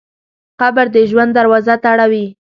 قبر د ژوند دروازه تړوي.